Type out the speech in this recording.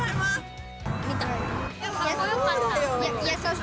見た！